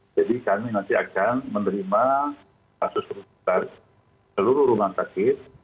jadi kami nanti akan menerima kasus penelitian dari seluruh rumah sakit